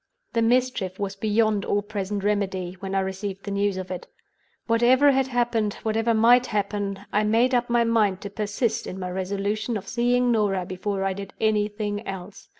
"The mischief was beyond all present remedy, when I received the news of it. Whatever had happened, whatever might happen, I made up my mind to persist in my resolution of seeing Norah before I did anything else.